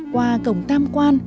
qua cổng tam quan